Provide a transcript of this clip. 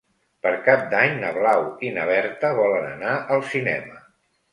Per Cap d'Any na Blau i na Berta volen anar al cinema.